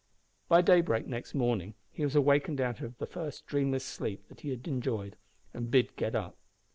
By daybreak next morning he was awakened out of the first dreamless sleep that he had enjoyed, and bid get up.